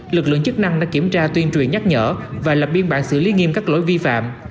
lực lượng chức năng đã kiểm tra tuyên truyền nhắc nhở và lập biên bản xử lý nghiêm các lỗi vi phạm